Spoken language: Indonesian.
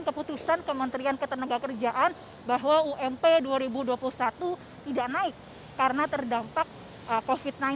keputusan kementerian ketenagakerjaan bahwa ump dua ribu dua puluh satu tidak naik karena terdampak covid sembilan belas